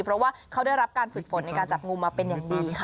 เพราะว่าเขาได้รับการฝึกฝนในการจับงูมาเป็นอย่างดีค่ะ